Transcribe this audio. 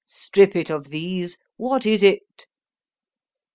—Strip it of these, what is it?